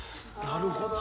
なるほどね。